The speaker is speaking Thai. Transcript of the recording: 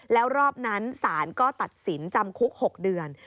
แล้วรอบนั้นศาลก็ตัดสินจำคุก๖เดือน